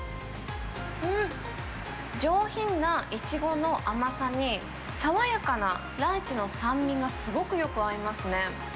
うん、上品なイチゴの甘さに、爽やかなライチの酸味がすごくよく合いますね。